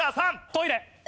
トイレ。